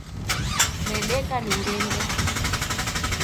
Redeka ni ndembe